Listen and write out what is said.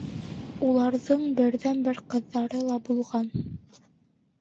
Уларҙың берҙән-бер ҡыҙҙары ла булған.